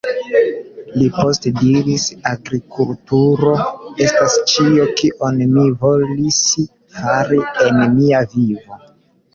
Li poste diris "agrikulturo estas ĉio kion mi volis fari en mia vivo.